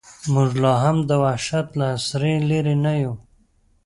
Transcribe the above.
موږ لا هم د وحشت له عصره لرې نه یو.